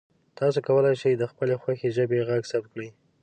تاسو کولی شئ د خپلې خوښې ژبې غږ ثبت کړئ.